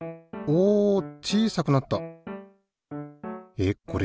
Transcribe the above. えっこれ